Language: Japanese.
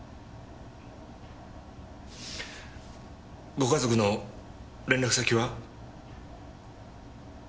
ご家族の連絡先は？